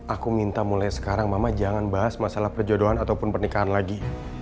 aku minta mulai sekarang mama jangan bahas masalah perjodohan ataupun pernikahan lagi